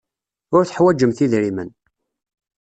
Ur teḥwajemt idrimen.